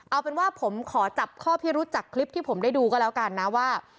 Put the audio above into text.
เอาเป็นว่าผมขอจับข้อพิรุษจากคลิปที่ผมได้ดูก็แล้วกันนะว่า